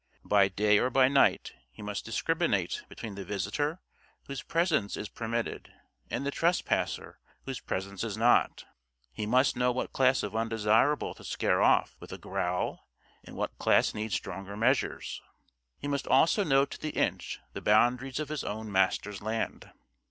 By day or by night he must discriminate between the visitor whose presence is permitted and the trespasser whose presence is not. He must know what class of undesirable to scare off with a growl and what class needs stronger measures. He must also know to the inch the boundaries of his own master's land.